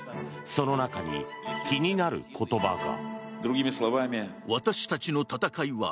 その中に気になる言葉が。